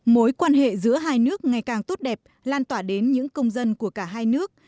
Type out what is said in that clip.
mối quan hệ giữa hai nước ngày càng tốt đẹp lan tỏa đến những công dân của cả hai nước